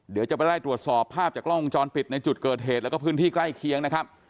เดี๋ยวจะไปไล่ตรวจสอบภาพจากกล้องวงจรปิดในจุดเกิดเหตุแล้วก็พื้นที่ใกล้เคียงนะครับ